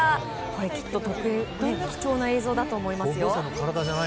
これ、きっととても貴重な映像だと思います。